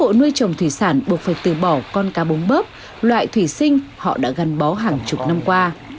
các hộ nuôi trồng thủy sản buộc phải từ bỏ con cá búng bớp loại thủy sinh họ đã gắn bó hàng chục năm qua